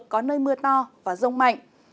có nơi mưa to và rông mạnh